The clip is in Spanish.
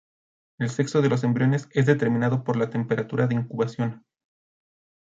El sexo de los embriones es determinado por la temperatura de incubación.